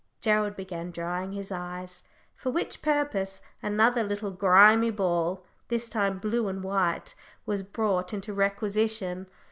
Gerald began drying his eyes, for which purpose another little grimy ball this time blue and white was brought into requisition.